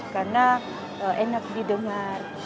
karena enak didengar